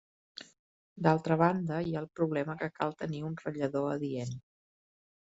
D'altra banda, hi ha el problema que cal tenir un ratllador adient.